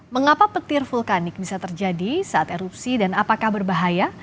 mengapa petir vulkanik bisa terjadi saat erupsi dan apakah berbahaya